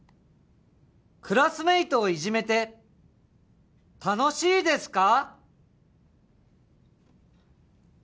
クラスメイトをイジめて楽しいですか？